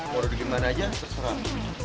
mau udah gimana aja terserah